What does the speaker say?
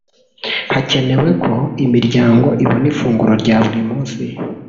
hacyenewe ko imiryango ibona ifunguro rya buri munsi